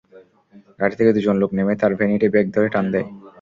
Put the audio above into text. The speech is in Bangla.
গাড়ি থেকে দুজন লোক নেমে তাঁর ভ্যানিটি ব্যাগ ধরে টান দেয়।